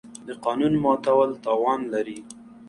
د قانون ماتول تاوان لري.